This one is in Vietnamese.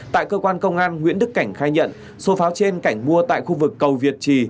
tại cơ quan công an nguyễn đức cảnh khai nhận số pháo trên cảnh mua tại khu vực cầu việt trì